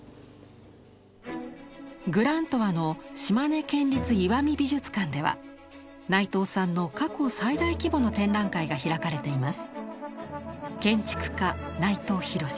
グラントワの島根県立石見美術館では内藤さんの過去最大規模の展覧会が開かれています。